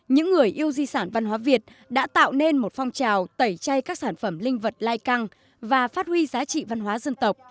những người yêu di sản văn hóa việt đã tạo nên một phong trào tẩy chay các sản phẩm linh vật lai căng và phát huy giá trị văn hóa dân tộc